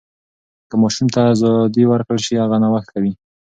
که ماشوم ته ازادي ورکړل شي، هغه نوښت کوي.